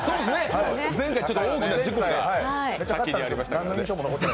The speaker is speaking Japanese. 前回、大きな事故がありましたからね。